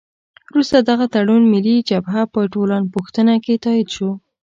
وروسته دغه تړون ملي جبهه په ټولپوښتنه کې تایید شو.